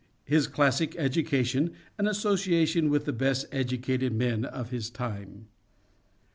His classic education and association with the best educated men of his time.